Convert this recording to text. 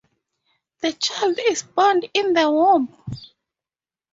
The child is bound in the womb.